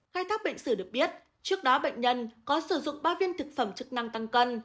khai thác bệnh sử được biết trước đó bệnh nhân có sử dụng ba viên thực phẩm chức năng tăng cân